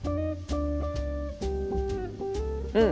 うん！